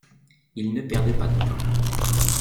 Ils ne perdaient pas de temps.